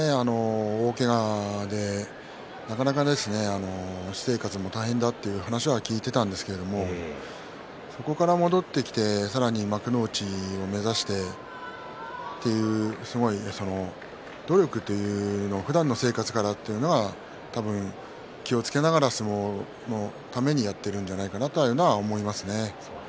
大けがで、なかなか私生活も大変だという話は聞いていたんですけれどもそこから戻ってきてさらに幕内を目指してという努力というのはふだんの生活からというのは気をつけながら相撲のためにやっているんじゃないかなというのは思いますね。